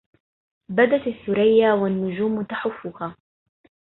بدت الثريا والنجوم تحفها